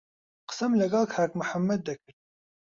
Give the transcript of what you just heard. قسەم لەگەڵ کاک محەممەد دەکرد.